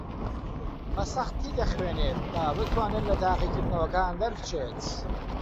بەسەختی دەخوێنێت تا بتوانێت لە تاقیکردنەوەکان دەربچێت.